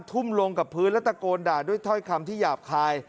ทุ่มลงกับพื้นและตะโกนด่าด้วยถ้อยคำที่หยาบคาย